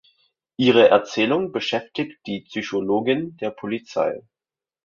Ihre Erzählung beschäftigt die Psychologin der Polizei.